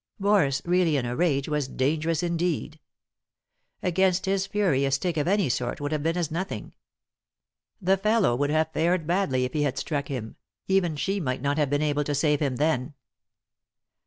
Boris, really in a rage, was dangerous indeed. Against his fury a stick of any sort would have been as nothing. The fellow would have tared badly if he had struck him ; even she might not have been able to save him then.